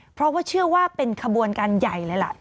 เพราะว่าเชื่อว่าเป็นขบวนการใหญ่เลยล่ะ